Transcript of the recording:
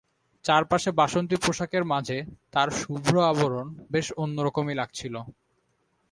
চারপাশে বাসন্তী পোশাকের মাঝে তাঁর শুভ্র আভরণ বেশ অন্য রকমই লাগছিল।